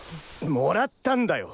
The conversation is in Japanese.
もらったんだよ！